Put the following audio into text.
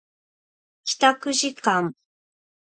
帰宅時間